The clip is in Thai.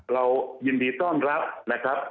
เรายินดีต้อนรับนะครับ